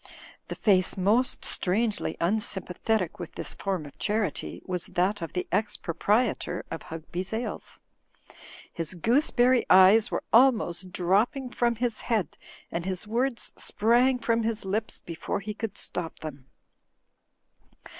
The face most strangely unsympathetic with this form of charity was that of the ex proprietor of Hugby's Ales. His gooseberry eyes were almost dropping from his head and his words sprang from his lips before he could stop them.